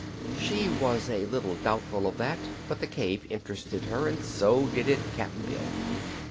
She was a little doubtful of that, but the cave interested her, and so did it Cap'n Bill.